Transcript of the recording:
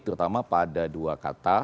terutama pada dua kata